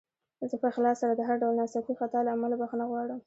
زه په اخلاص سره د هر ډول ناڅاپي خطا له امله بخښنه غواړم.